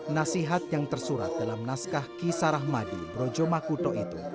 nasihat yang tersurat dalam naskah kisah rahmadi brojo makuto itu